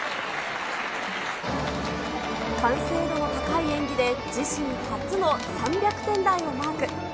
完成度の高い演技で、自身初の３００点台をマーク。